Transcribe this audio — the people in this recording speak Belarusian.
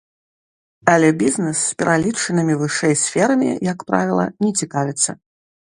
Але бізнес пералічанымі вышэй сферамі, як правіла, не цікавіцца.